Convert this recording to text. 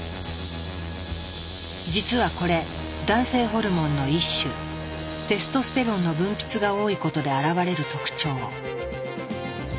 実はこれ男性ホルモンの一種テストステロンの分泌が多いことであらわれる特徴。